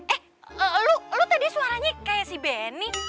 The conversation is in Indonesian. eh lu lo tadi suaranya kayak si benny